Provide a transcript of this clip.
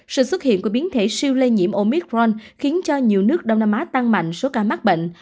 sự xuất hiện của biến thể siêu lây nhiễm omitron khiến cho nhiều nước đông nam á tăng mạnh số ca mắc bệnh